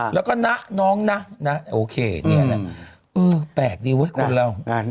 แล้วก็นะน้องนะโอเคแปลกดีไว้คนเรา